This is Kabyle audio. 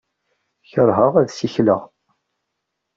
Kerheɣ ad ssikleɣ.